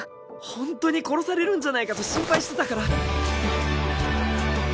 ホントに殺されるんじゃないかと心配してたから。